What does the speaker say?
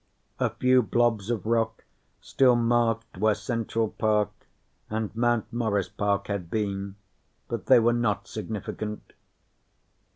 A few blobs of rock still marked where Central Park and Mount Morris Park had been, but they were not significant.